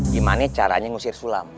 gimana caranya ngusir sulam